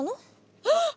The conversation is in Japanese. あっ！